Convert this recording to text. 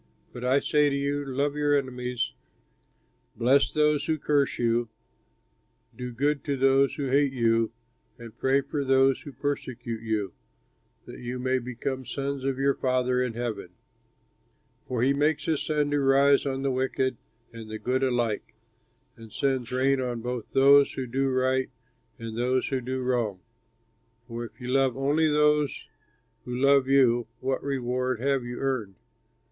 But I say to you, love your enemies, bless those who curse you, do good to those who hate you, and pray for those who persecute you, that you may become sons of your Father in heaven; for he makes his sun to rise on the wicked and the good alike, and sends rain on both those who do right and those who do wrong. For if you love only those who love you, what reward have you earned?